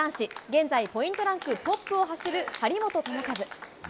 現在ポイントランクトップを走る張本智和。